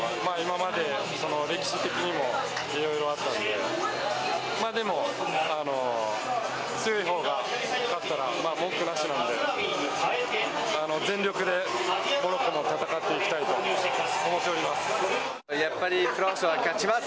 まあ、でも強い方が勝ったら文句なしなんで全力でモロッコも戦っていきたいと思います。